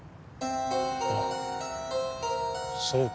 ああそうか。